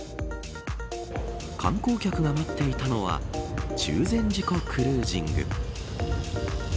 観光客が待っていたのは中禅寺湖クルージング。